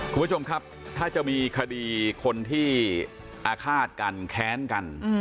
คุณผู้ชมครับถ้าจะมีคดีคนที่อาฆาตกันแค้นกัน